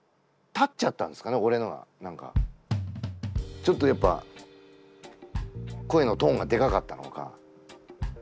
ちょっとやっぱ声のトーンがでかかったのか。